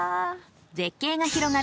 絶景が広がる